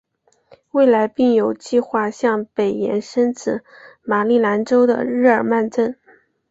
未来并有计画向北延伸至马里兰州的日耳曼镇。